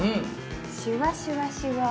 シュワシュワシュワ。わ！